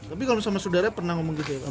tapi kalau sama saudara pernah ngomong gitu ya